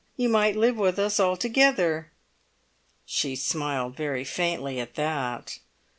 You might live with us altogether!" She smiled very faintly at that.